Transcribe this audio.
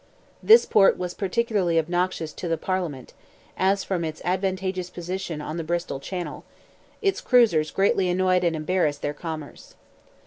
This port was particularly obnoxious to the Parliament, as from its advantageous position on the Bristol channel, its cruisers greatly annoyed and embarrassed their commerce.